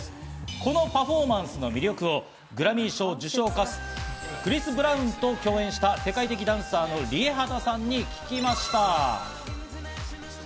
このパフォーマンスの魅力をグラミー賞受賞歌手、クリス・ブラウンと共演した世界的ダンサーのＲＩＥＨＡＴＡさんに聞きました。